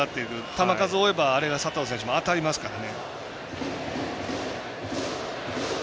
球数重ねればあれが佐藤選手も当たりますから。